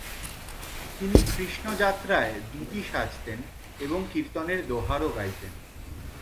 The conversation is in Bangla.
তিনি কৃষ্ণ যাত্রায় দুতী সাজতেন এবং কীর্তনের দোহারও গাইতেন।